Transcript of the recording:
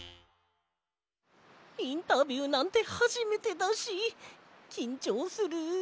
インタビューなんてはじめてだしきんちょうする。